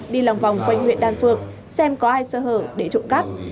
đi lòng vòng quanh huyện đan phượng xem có ai sợ hở để trộm cắp